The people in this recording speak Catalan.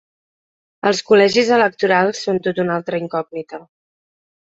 Els col·legis electorals són tota una altra incògnita.